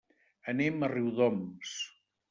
Anem a Riudoms.